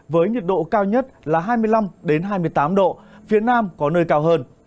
với nhiệt độ cao nhất là hai mươi năm hai mươi tám độ phía nam có nơi cao hơn